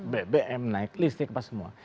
bbm naik listrik pas semua